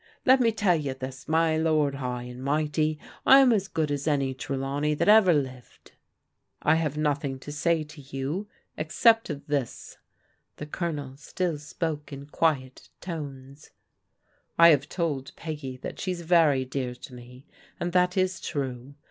Let me tell you this, ny lord high and mighty, I'm as good as any Trelawnex hat ever lived." " I have nothing to say to you, except this," the Zx>lonel still spoke in quiet tones, "I have told Peggy that she's very dear td me : and that is true.